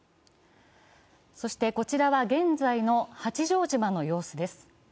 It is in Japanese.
そしてこちらは現在の八丈島の様子です。